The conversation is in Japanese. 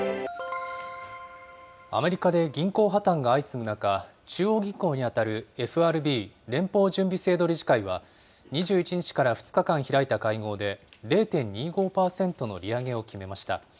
アメリカで銀行破綻が相次ぐ中、中央銀行に当たるＦＲＢ・連邦準備制度理事会は、２１日から２日間開いた会合で、０．２５％の利上げを決めました。